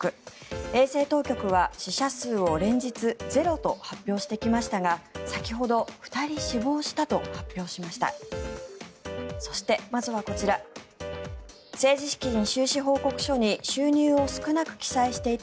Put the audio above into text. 衛生当局は死者数を連日、ゼロと発表してきましたが先ほど２人死亡したと発表しました。